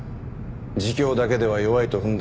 自供だけでは弱いと踏んだ